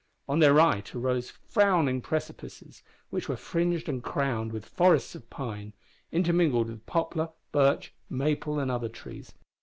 On their right arose frowning precipices which were fringed and crowned with forests of pine, intermingled with poplar, birch, maple, and other trees.